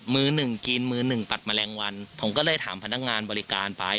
มือหนึ่งกินมือหนึ่งตัดแมลงวันผมก็เลยถามพนักงานบริการไป